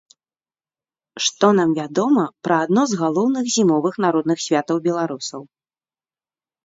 Што нам вядома пра адно з галоўных зімовых народных святаў беларусаў?